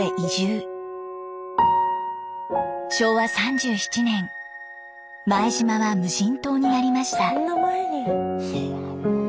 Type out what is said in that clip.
昭和３７年前島は無人島になりました。